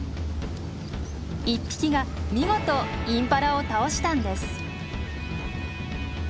一匹が見事インパラを倒したんです。